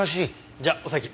じゃお先。